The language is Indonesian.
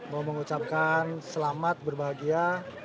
mau mengucapkan selamat berbahagia